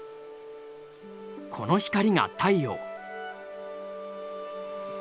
この光が「太陽」。